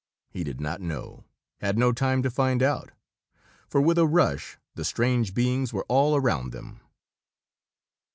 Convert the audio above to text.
He did not know had no time to find out for with a rush, the strange beings were all around them.